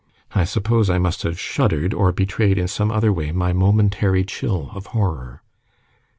I suppose I must have shuddered, or betrayed in some other way my momentary chill of horror.